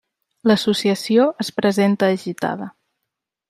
L'associació es presenta agitada.